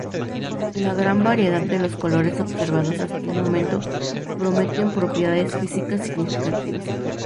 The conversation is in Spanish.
La gran variedad de los colores observados hasta el momento prometen propiedades físicas significativas.